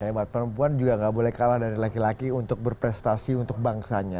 hemat perempuan juga gak boleh kalah dari laki laki untuk berprestasi untuk bangsanya